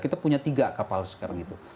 kita punya tiga kapal sekarang itu